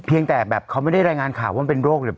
เพียงแต่แบบเขาไม่ได้รายงานข่าวว่าไปโรคใหญ่